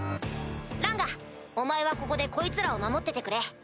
ランガお前はここでこいつらを守っててくれ。